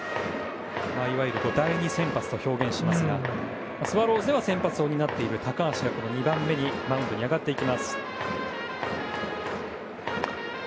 いわゆる第２先発と表現しますがスワローズでは先発を担っている高橋が２番目にマウンドに上がっていきます。